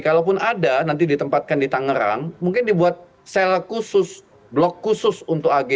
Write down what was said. kalaupun ada nanti ditempatkan di tangerang mungkin dibuat sel khusus blok khusus untuk ag